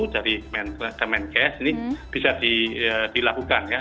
dari temen temen kas ini bisa dilakukan ya